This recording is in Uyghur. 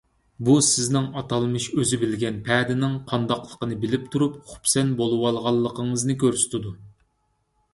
بۇ سىزنىڭ ئاتالمىش ئۆزى بىلگەن پەدىنىڭ قانداقلىقىنى بىلىپ تۇرۇپ خۇپسەن بولۇۋالغانلىقىڭىزنى كۆرسىتىدۇ.